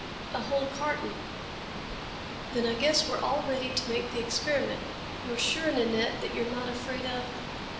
"A whole carton." "Then I guess we're already to make the experiment. You're sure. Nanette, that you're not afraid of...."